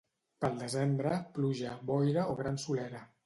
Pel desembre, pluja, boira o gran solera.